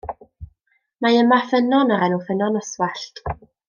Mae yma ffynnon o'r enw Ffynnon Oswallt.